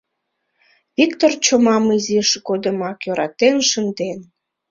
Виктор чомам изиж годымак йӧратен шынден.